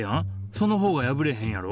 その方が破れへんやろ？